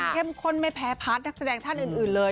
เข้มข้นไม่แพ้พาร์ทนักแสดงท่านอื่นเลย